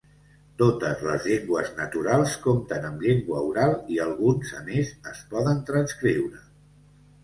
Totes les llengües naturals compten amb llengua oral i alguns a més es poden transcriure.